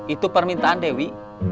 itu permintaan dewi